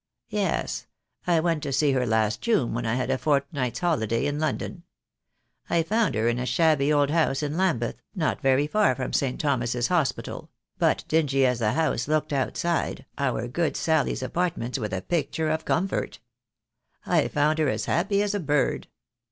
"Yes, I went to see her last June when I had a fort night's holiday in London. I found her in a shabby old house in Lambeth, not very far from St. Thomas's Hospital; but dingy as the house looked outside, our good Sally's apartments were the picture of comfort. I found her as happy as a bird.